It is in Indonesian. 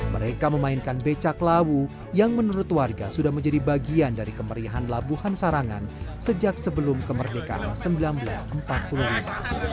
mereka memainkan becak lawu yang menurut warga sudah menjadi bagian dari kemerihan labuhan sarangan sejak sebelum kemerdekaan seribu sembilan ratus empat puluh lima